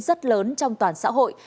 rất lớn trong toàn xã hội